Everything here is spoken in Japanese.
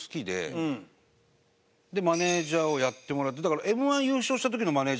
でマネジャーをやってもらってだからＭ−１優勝した時のマネジャー彼女なんですよ。